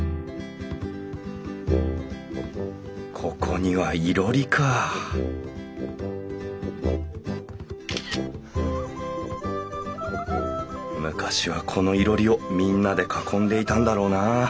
ここにはいろりか昔はこのいろりをみんなで囲んでいたんだろうな。